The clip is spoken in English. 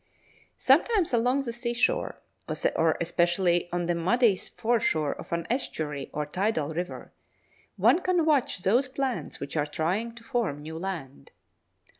Sometimes along the seashore, or especially on the muddy foreshore of an estuary or tidal river, one can watch those plants which are trying to form new land.